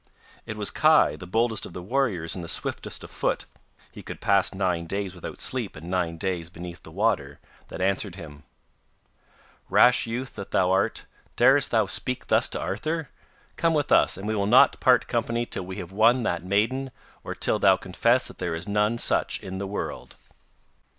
It was Kai, the boldest of the warriors and the swiftest of foot he would could pass nine nights without sleep, and nine days beneath the water that answered him: 'Rash youth that thou art, darest thou speak thus to Arthur? Come with us, and we will not part company till we have won that maiden, or till thou confess that there is none such in the world.